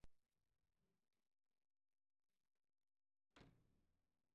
Garaiko egunkarietan ez da denborarik aipatzen.